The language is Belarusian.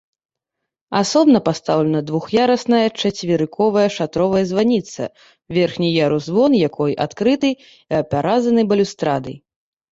Асобна пастаўлена двух'ярусная чацверыковая шатровая званіца, верхні ярус-звон якой адкрыты і апяразаны балюстрадай.